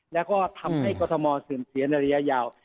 แล้วก็ทำให้กรทมเสื่อมเสียในระยะยาว